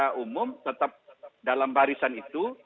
kira kira umum tetap dalam barisan itu